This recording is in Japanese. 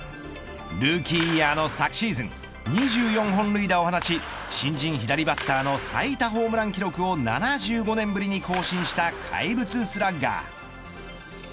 ルーキーイヤーの昨シーズン２４本塁打を放ち新人左バッターの最多ホームラン記録を７５年ぶりに更新した怪物スラッガー。